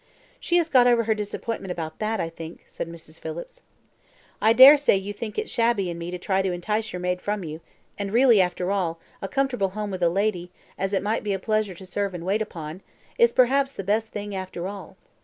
"She has got over her disappointment about that, I think," said Mrs. Phillips. "I dare say you think it shabby in me to try to entice your maid from you; and really, after all, a comfortable home with a lady, as it must be a pleasure to serve and to wait upon, is perhaps the best thing after all.